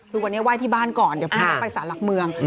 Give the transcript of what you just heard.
คือวันนี้ไหว้ที่บ้านก่อนจะพักไปสารหลักเมือง